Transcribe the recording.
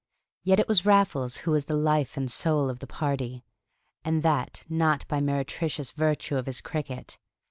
Yet it was Raffles who was the life and soul of the party, and that not by meretricious virtue of his cricket.